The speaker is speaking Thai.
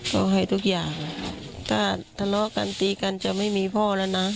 ก็ให้ทุกอย่างถ้าทะเลาะกันตีกันจะไม่มีพ่อแล้วนะ